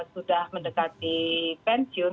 sudah mendekati pensiun